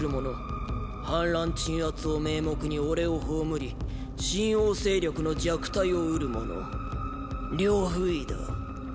反乱鎮圧を名目に俺を葬り秦王勢力の弱体を得る者呂不韋だ。